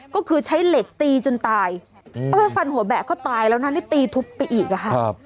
ก็คือใช้เหล็กตีจนตายเออฟันหัวแบะก็ตายแล้วนะนี่ตีทุบไปอีกอะค่ะ